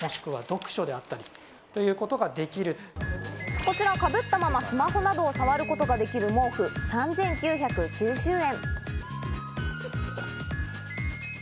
こちら、かぶったままスマホなどをさわることができる毛布、３９９０円。